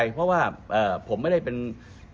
ไม่ไม่ผมไม่นักใจเพราะว่าผมไม่ได้เป็นเคเดตอยู่แล้วนะครับ